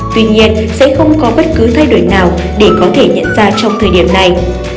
tuy nhiên sẽ không có bất cứ thay đổi nào để có thể nhận ra trong thời điểm này